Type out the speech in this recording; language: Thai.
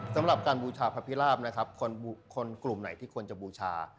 สำหรับการบูชาพระพิราบนะครับคนกลุ่มไหนที่ควรจะบูชา